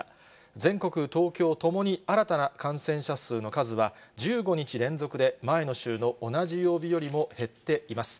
全国、東京ともに新たな感染者数の数は１５日連続で前の週の同じ曜日よりも減っています。